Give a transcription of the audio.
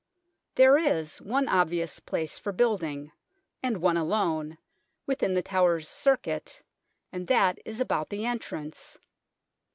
There is one obvious place for building and one alone within The Tower's circuit, and that is about the entrance.